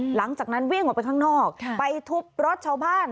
หลังจากนั้นวิ่งออกไปข้างนอกไปทุบรถชาวบ้าน